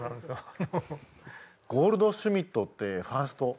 ゴールドシュミットってファースト。